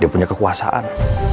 dia punya kekuasaan